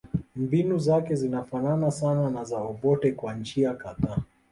Mbinu zake zinafanana sana na za Obote kwa njia kadhaa